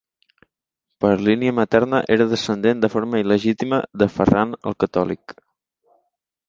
Per línia materna era descendent, de forma il·legítima, de Ferran el Catòlic.